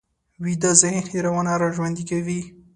ویده ذهن هېرونه راژوندي کوي